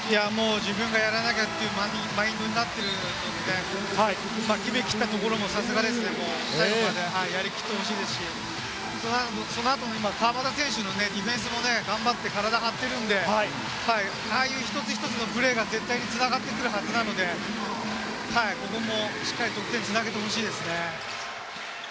自分がやらなきゃというマインドになっている、決めきったところもさすがですけれど、最後までやり切ってほしいですし、その後の川真田選手のディフェンスも頑張って体張ってるんで、ああいう一つ一つのプレーが絶対に繋がってくるはずなので、ここもしっかり得点に繋げてほしいですね。